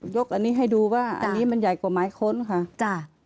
อันนี้ให้ดูว่าอันนี้มันใหญ่กว่าหมายค้นค่ะจ้ะ